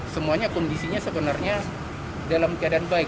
semuanya kondisinya sebenarnya dalam keadaan baik